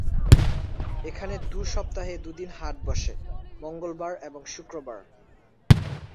এখানে সপ্তাহে দুইদিন হাট বসে, মঙ্গলবার এবং শুক্রবার।